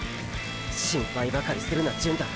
心配ばかりするな純太。